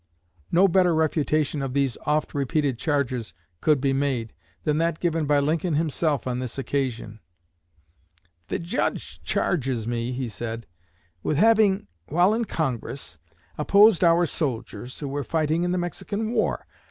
No better refutation of these oft repeated charges could be made than that given by Lincoln himself on this occasion. "The Judge charges me," he said, "with having, while in Congress, opposed our soldiers who were fighting in the Mexican War.